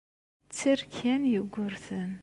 Tter kan Yugurten.